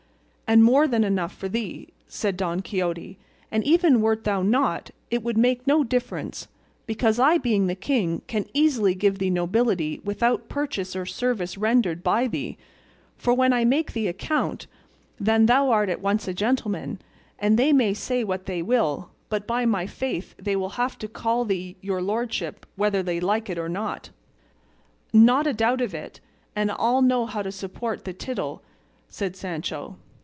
"And more than enough for thee," said Don Quixote; "and even wert thou not, it would make no difference, because I being the king can easily give thee nobility without purchase or service rendered by thee, for when I make thee a count, then thou art at once a gentleman; and they may say what they will, but by my faith they will have to call thee 'your lordship,' whether they like it or not." "Not a doubt of it; and I'll know how to support the tittle," said Sancho.